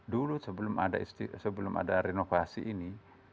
dulu sebelum ada renovasi ini